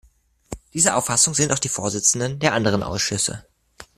Dieser Auffassung sind auch die Vorsitzenden der anderen Ausschüsse.